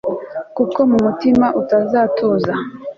kuko mu mutima utazatuza